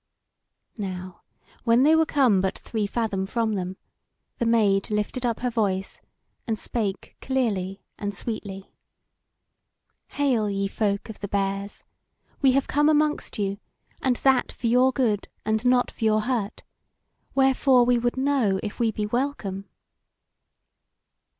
Now when they were come but three fathom from them, the Maid lifted up her voice, and spake clearly and sweetly: "Hail, ye folk of the Bears! we have come amongst you, and that for your good and not for your hurt: wherefore we would know if we be welcome."